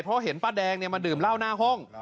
เพราะเห็นป้าแดงมาดื่มเหล้าหน้าห้อง